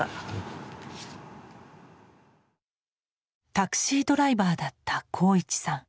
タクシードライバーだった鋼一さん。